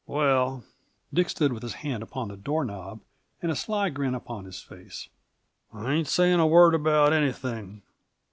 "Well," Dick stood with his hand upon the door knob and a sly grin upon his face, "I ain't saying a word about anything.